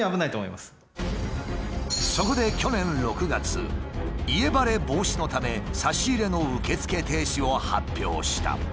そこで去年６月家バレ防止のため差し入れの受付停止を発表した。